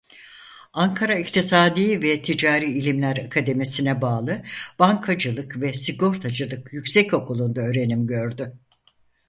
Ankara İktisadi ve Ticari İlimler Akademisi'e bağlı Bankacılık ve Sigortacılık Yüksekokulu'nda öğrenim gördü.